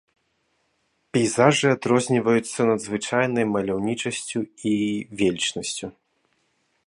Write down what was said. Пейзажы адрозніваюцца надзвычайнай маляўнічасцю і велічнасцю.